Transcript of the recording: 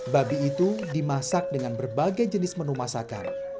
babi itu dimasak dengan berbagai jenis menu masakan